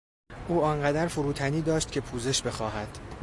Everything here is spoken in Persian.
او آنقدر فروتنی داشت که پوزش بخواهد.